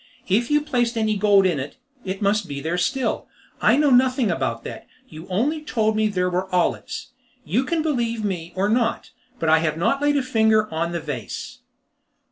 If you placed any gold in it, it must be there still. I know nothing about that; you only told me there were olives. You can believe me or not, but I have not laid a finger on the vase."